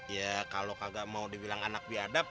ya kalau kagak mau dibilang anak biadab